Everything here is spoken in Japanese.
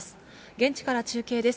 現地から中継です。